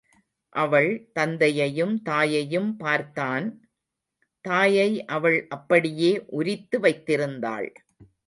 அவள் தந்தையையும் தாயையும் பார்த்தான் தாயை அவள் அப்படியே உரித்து வைத்திருந்தாள்.